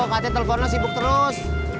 katanya telepon lu sibuk terus